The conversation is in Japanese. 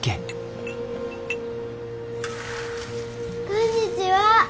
こんにちは。